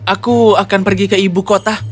aku akan pergi ke ibu kota